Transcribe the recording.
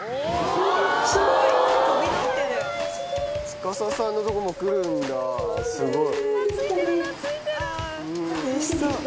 つかささんのとこも来るんだすごい。